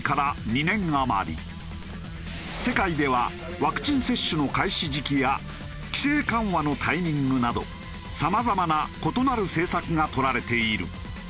世界ではワクチン接種の開始時期や規制緩和のタイミングなどさまざまな異なる政策が取られている。